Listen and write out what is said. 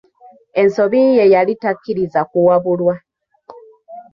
Ensobi ye yali takkiriza kuwabulwa.